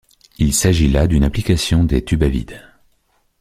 Il s'agit là d'une application des tubes à vide.